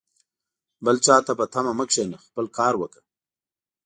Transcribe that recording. بل چاته په تمه مه کښېنه ، خپله کار وکړه